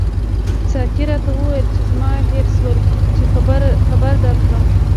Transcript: ساقي راته وویل چې زما هېر شول چې خبر درکړم.